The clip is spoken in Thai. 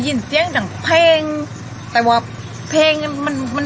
สุดท้ายสุดท้ายสุดท้าย